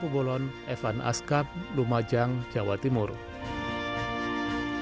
sebab pengungsian ini akan bertahan setidaknya selama tiga puluh hari ke depan